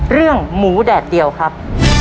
เรื่องหมูแดดเดียวครับ